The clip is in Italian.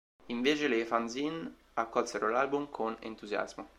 Invece, le fanzine accolsero l'album con entusiasmo.